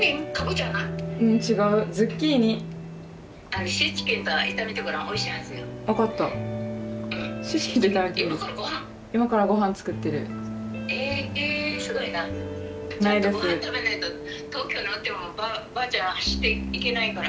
ちゃんとごはん食べないと東京におってもばあちゃんは走って行けないから。